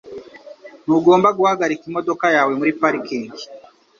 Ntugomba guhagarika imodoka yawe muri parikingi